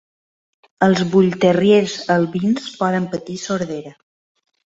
Els Bull Terriers albins poden patir sordesa.